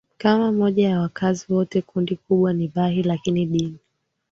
kama moja ya wakazi wote Kundi kubwa ni Bahai lakini dini